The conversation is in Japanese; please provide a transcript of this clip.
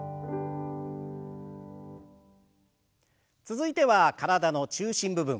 続いては体の中心部分。